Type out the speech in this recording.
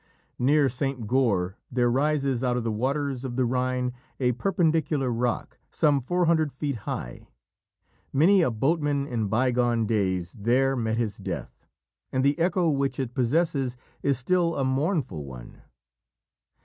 Near St. Goar, there rises out of the waters of the Rhine a perpendicular rock, some four hundred feet high. Many a boatman in bygone days there met his death, and the echo which it possesses is still a mournful one.